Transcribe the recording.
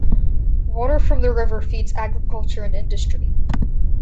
Water from the river feeds agriculture and industry.